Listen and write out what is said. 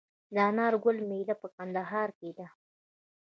د انار ګل میله په کندهار کې ده.